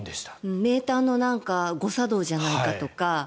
メーターの誤作動じゃないかとか。